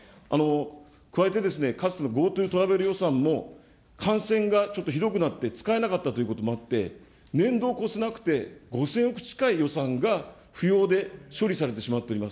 加えて、かつてのＧｏＴｏトラベル予算も、感染がちょっとひどくなって、使えなかったということもあって、年度を超せなくて、５０００億近い予算が不要で処理されてしまっております。